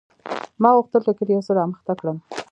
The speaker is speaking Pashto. ما غوښتل ټکټ یو څه رامخته کړم.